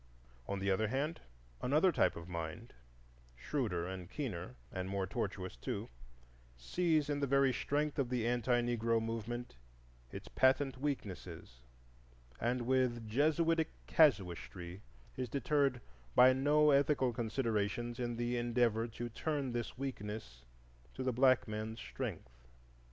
On the other hand, another type of mind, shrewder and keener and more tortuous too, sees in the very strength of the anti Negro movement its patent weaknesses, and with Jesuitic casuistry is deterred by no ethical considerations in the endeavor to turn this weakness to the black man's strength.